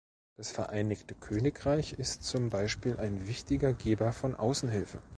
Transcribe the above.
Das Vereinigte Königreich ist zum Beispiel ein wichtiger Geber von Außenhilfe.